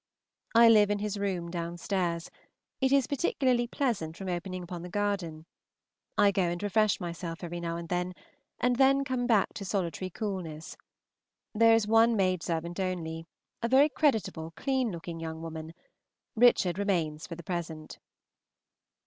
I live in his room downstairs; it is particularly pleasant from opening upon the garden. I go and refresh myself every now and then, and then come back to solitary coolness. There is one maidservant only, a very creditable, clean looking young woman. Richard remains for the present.